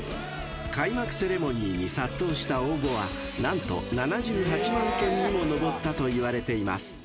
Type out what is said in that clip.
［開幕セレモニーに殺到した応募は何と７８万件にも上ったといわれています］